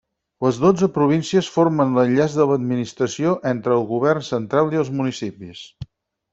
Les dotze províncies formen l'enllaç de l'administració entre el govern central i els municipis.